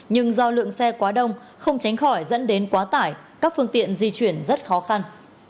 nhưng do lượng xe quá đông không tránh khỏi dẫn đến quá tải các phương tiện di chuyển rất khó khăn